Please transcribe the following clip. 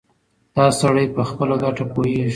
دا سړی په خپله ګټه پوهېږي.